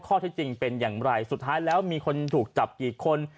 ที่จริงเป็นอย่างไรสุดท้ายแล้วมีคนถูกจับกี่คน